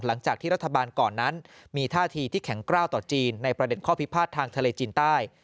หลังจากที่รัฐบาลก่อนนั้นมีท่าทีที่แข็งกล้าวต่อจีนในประเด็นข้อพิพาททางทะเลจีนใต้